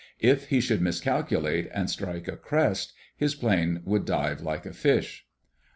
If he should miscalculate and strike a crest, his plane would dive like a fish.